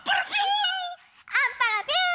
アッパラピュー！